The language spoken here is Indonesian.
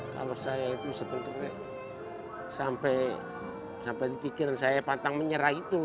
kalau saya itu sebetulnya sampai pikiran saya pantang menyerah itu